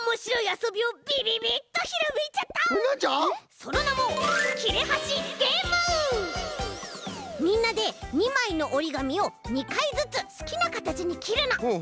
そのなもみんなで２まいのおりがみを２かいずつすきなかたちにきるの！